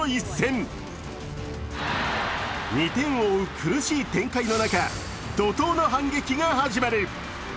宮澤の母親も見守る中、２点を追う苦しい展開の中怒とうの反撃が始まる。